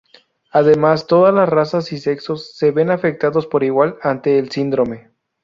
Además, todas las razas y sexos se ven afectados por igual ante el síndrome.